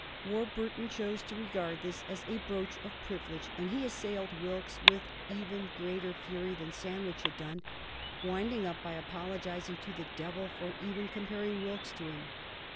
Warburton chose to regard this as a broach of privilege, and he assailed Wilkes with even greater fury than Sandwich had done, winding up by apologizing to the devil for even comparing Wilkes to him.